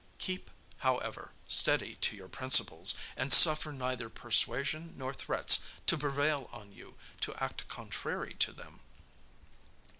Keep, however, steady to your principles, and suffer neither persuasion nor threats to prevail on you to act contrary to them.